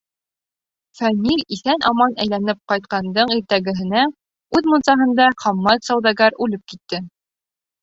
Фәнил иҫән-аман әйләнеп ҡайтҡандың иртәгәһенә үҙ мунсаһында Хаммат сауҙагәр үлеп китте.